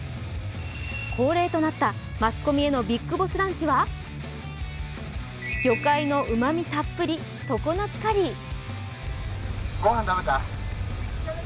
恒例となったマスコミへのビッグボス・ランチは、魚介のうまみたっぷり常夏カリー。